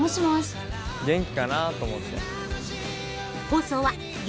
元気かなぁと思って。